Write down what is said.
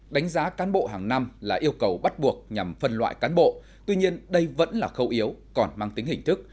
đánh giá cán bộ hàng năm là yêu cầu bắt buộc nhằm phân loại cán bộ tuy nhiên đây vẫn là khâu yếu còn mang tính hình thức